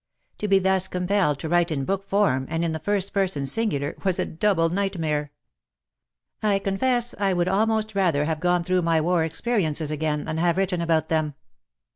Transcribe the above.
To be thus compelled to write in book form, and in the first person singular, was a double nightmare. I confess I would almost rather have gone through my war experiences again than have written about them.